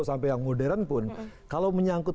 sampai yang modern pun kalau menyangkut